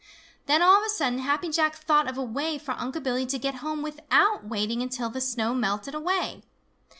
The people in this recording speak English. Then all of a sudden Happy Jack thought of a way for Unc' Billy to get home without waiting until the snow melted away.